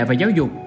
và giáo dục